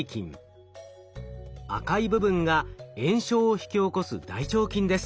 赤い部分が炎症を引き起こす大腸菌です。